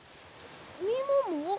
みもも？